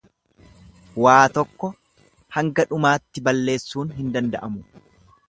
Waa tokko hanga dhumaatti ballessuun hin danda'amu.